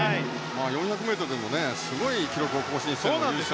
４００ｍでもすごい記録を更新しての優勝。